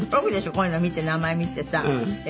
こういうの見て名前見てさ永